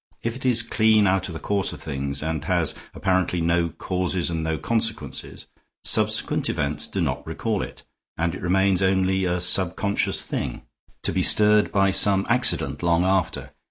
If it is clean out of the course of things, and has apparently no causes and no consequences, subsequent events do not recall it, and it remains only a subconscious thing, to be stirred by some accident long after.